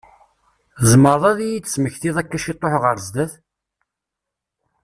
Tzemreḍ ad yi-d-tesmektiḍ akka ciṭuḥ ɣer zzat?